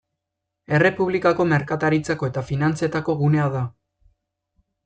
Errepublikako merkataritzako eta finantzetako gunea da.